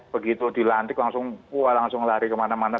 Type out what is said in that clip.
begitu dilantik langsung wah langsung lari kemana mana